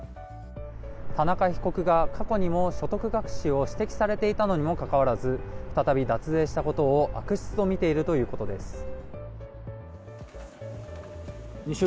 田中被告が過去にも所得隠しを指摘されていたにもかかわらず再び脱税したことを悪質とみているということです。